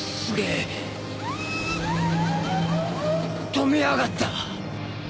止めやがった。